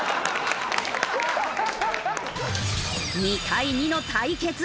２対２の対決。